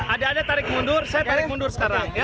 ada ada tarik mundur saya tarik mundur sekarang